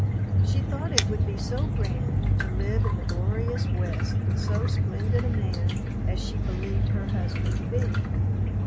She thought it would be so grand to live in the glorious West with so splendid a man as she believed her husband to be.